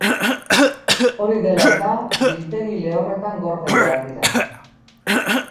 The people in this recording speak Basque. Hori dela-eta, biltegi lehorretan gorde behar dira.